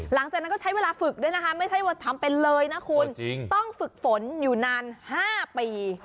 หลังจากนั้นก็ใช้เวลาฝึกด้วยนะคะไม่ใช่ว่าทำเป็นเลยนะคุณต้องฝึกฝนอยู่นาน๕ปี